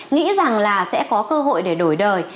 nghĩ rằng là sẽ có cơ hội để đổi đời